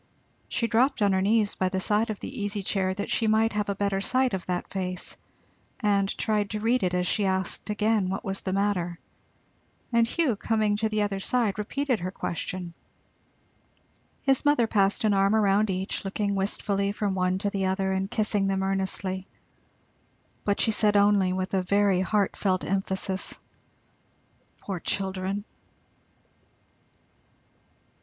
She dropped on her knees by the side of the easy chair that she might have a better sight of that face, and tried to read it as she asked again what was the matter; and Hugh coming to the other side repeated her question. His mother passed an arm round each, looking wistfully from one to the other and kissing them earnestly, but she said only, with a very heart felt emphasis, "Poor children!"